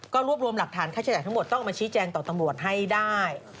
ก็รวบรวมหลักฐานค่าใช้จ่ายทั้งหมดต้องออกมาชี้แจงต่อตำรวจให้ได้